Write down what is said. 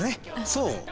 そう？